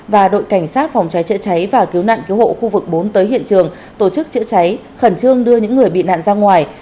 và đội cảnh sát phòng cháy chữa cháy và cứu nạn cứu hộ khu vực bốn tới hiện trường tổ chức chữa cháy khẩn trương đưa những người bị nạn ra ngoài